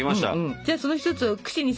じゃあその一つを串に刺してですね。